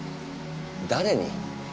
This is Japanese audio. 誰に？